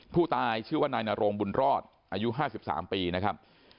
ผู้ตายชื่อว่านายนโรงบุญรอดอายุ๕๓ปีนะครับ